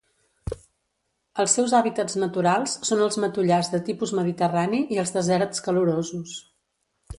Els seus hàbitats naturals són els matollars de tipus mediterrani i els deserts calorosos.